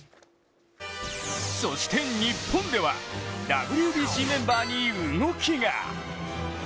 そして日本ではＷＢＣメンバーに動きが。